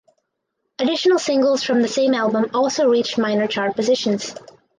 Additional singles from the same album also reached minor chart positions.